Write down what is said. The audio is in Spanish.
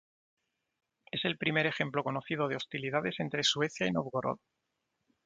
Es el primer ejemplo conocido de hostilidades entre Suecia y Nóvgorod.